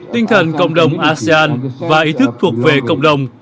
tinh thần cộng đồng asean và ý thức thuộc về cộng đồng